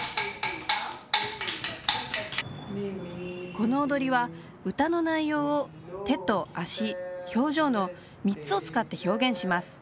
この踊りは歌の内容を手と足表情の三つを使って表現します